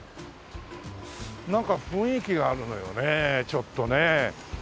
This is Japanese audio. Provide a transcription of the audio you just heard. なんか雰囲気があるのよねちょっとね。